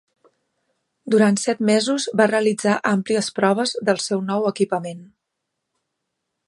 Durant set mesos va realitzar àmplies proves del seu nou equipament.